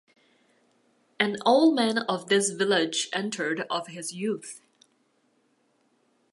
An old man of this village entered of his youth.